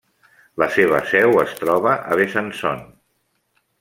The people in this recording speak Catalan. La seva seu es troba a Besançon.